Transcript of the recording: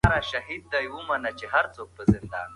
د ځمکې سیاره د ژوند لپاره یو خوندي او امن ځای دی.